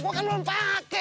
gue kan belum pake